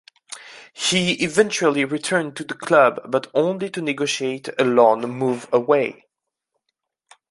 He eventually returned to the club but only to negotiate a loan move away.